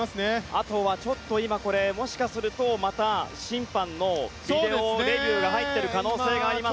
あとは今、もしかするとまた、審判のビデオレビューが入っている可能性があります。